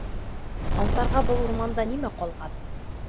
Ансарға был урманда нимә ҡалған.